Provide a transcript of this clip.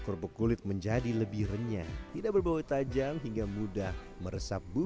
kerupuk kulit menjadi lebih renyah tidak berbau tajam hingga mudah meresap bumbu